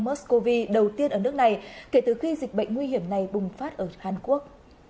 mers cov đầu tiên ở nước này kể từ khi dịch bệnh nguy hiểm này bùng phát ở hàn quốc